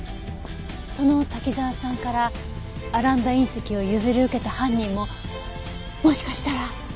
その滝沢さんからアランダ隕石を譲り受けた犯人ももしかしたら。